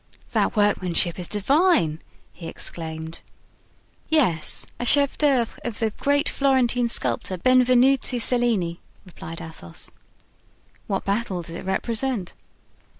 "That workmanship is divine!" he exclaimed. "Yes, a chef d'oeuvre of the great Florentine sculptor, Benvenuto Cellini," replied Athos. "What battle does it represent?"